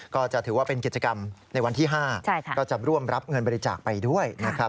ก็จะถือว่าเป็นกิจกรรมในวันที่๕ก็จะร่วมรับเงินบริจาคไปด้วยนะครับ